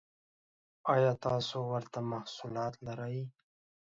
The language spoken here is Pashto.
ایا تاسو ورته محصولات لرئ؟